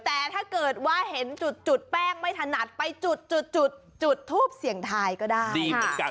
แต่ถ้าเกิดว่าเห็นจุดแป้งไม่ถนัดไปจุดจุดทูปเสี่ยงทายก็ได้